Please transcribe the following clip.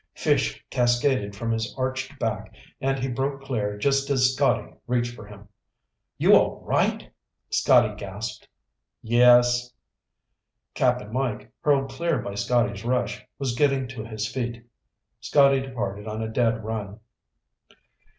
Fish cascaded from his arched back and he broke clear just as Scotty reached for him. "You all right?" Scotty gasped. "Yes." Cap'n Mike, hurled clear by Scotty's rush, was getting to his feet. Scotty departed on a dead run.